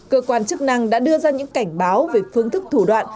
cơ quan chức năng đã đưa ra những cảnh báo về phương thức thủ đoạn